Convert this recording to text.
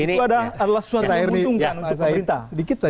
itu adalah sesuatu yang menguntungkan untuk pemerintah